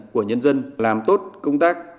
của nhân dân làm tốt công tác